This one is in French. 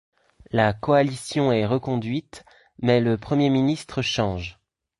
La coalition est reconduite mais le premier ministre change.